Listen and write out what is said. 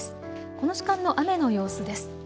この時間の雨の様子です。